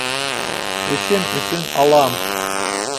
Эшем өсөн алам.